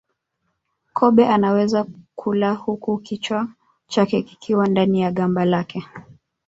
Kobe anaweza kula huku kichwa chake kikiwa ndani ya gamba lake